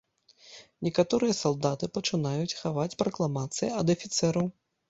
Некаторыя салдаты пачынаюць хаваць пракламацыі ад афіцэраў.